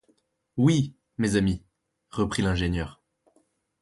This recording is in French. Oui, mes amis, reprit l’ingénieur.